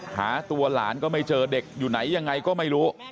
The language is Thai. หาตัวหลานก็ไม่เจอเด็กอยู่ไหนยังไงก็ไม่รู้